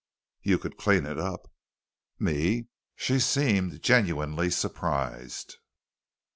"You could clean it up." "Me?" She seemed genuinely surprised.